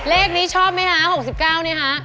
เลขนี้ชอบมั้ยคะ๖๙เนี่ยคะ